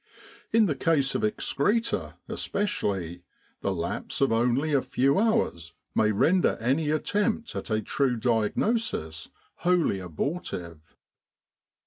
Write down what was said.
In the case of excreta, especially, the lapse of only a few hours may render any attempt at a true diagnosis wholly abortive.